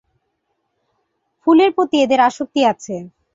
ফুলের প্রতি এদের আসক্তি আছে।